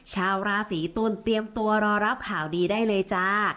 ชาวราศีตุลเตรียมตัวรอรับข่าวดีได้เลยจ้า